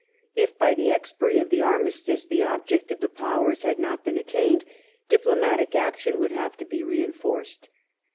If by the expiry of the armistice the object of the Powers had not been attained, diplomatic action would have to be reinforced.